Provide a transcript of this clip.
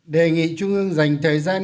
đề nghị trung ương dành thời gian